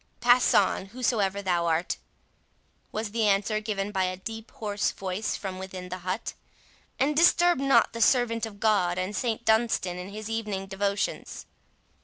"Pass on, whosoever thou art," was the answer given by a deep hoarse voice from within the hut, "and disturb not the servant of God and St Dunstan in his evening devotions."